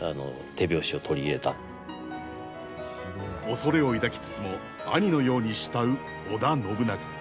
恐れを抱きつつも兄のように慕う織田信長。